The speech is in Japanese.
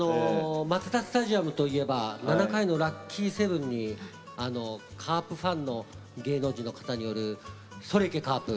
マツダスタジアムといえば７回のラッキーセブンにカープファンの芸能人の方による「それ行けカープ」。